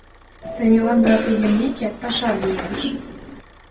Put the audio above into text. Танилан вате йӱмеке, паша вийныш.